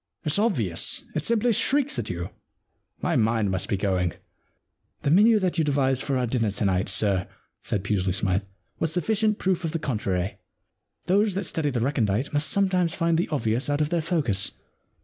It's obvious. It simply shrieks at you. My mind must be going.' * The menu that you devised for our dinner to night, sir,' said Pusely Smythe, * was suffi cient proof of the contrary. Those that study the recondite must sometimes find the obvious out of their focus.'